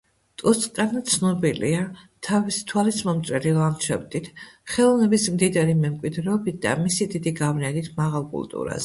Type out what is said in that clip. ტოსკანა ცნობილია თავის თვალისმომჭრელი ლანდშაფტით, ხელოვნების მდიდარი მემკვიდრეობით და მისი დიდი გავლენით მაღალ კულტურაზე.